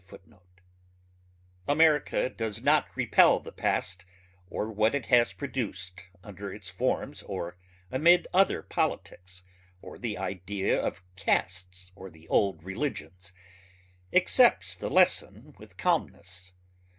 (1855)[A] America does not repel the past or what it has produced under its forms or amid other politics or the idea of castes or the old religions ... accepts the lesson with calmness